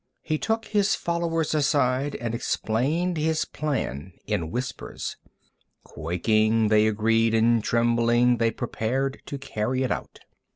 He took his followers aside and explained his plan in whispers. Quaking, they agreed, and, trembling, they prepared to carry it out.